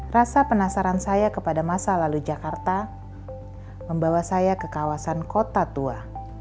rasa penasaran saya kepada masa lalu jakarta membawa saya ke kawasan kota tua